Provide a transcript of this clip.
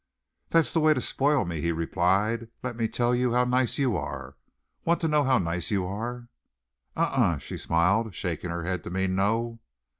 "That's the way to spoil me," he replied. "Let me tell you how nice you are. Want to know how nice you are?" "Uh uh," she smiled, shaking her head to mean "no."